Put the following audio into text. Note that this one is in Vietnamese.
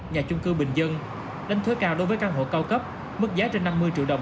nhà chung cư bình dân đánh thuế cao đối với căn hộ cao cấp mức giá trên năm mươi triệu đồng